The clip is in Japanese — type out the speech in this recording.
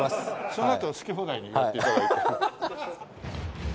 そのあと好き放題にやって頂いて。